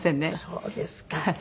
そうですか。